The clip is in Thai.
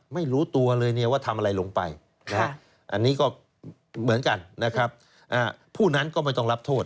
ไม่รู้ตัวเลยว่าทำอะไรลงไปอันนี้ก็เหมือนกันนะครับผู้นั้นก็ไม่ต้องรับโทษ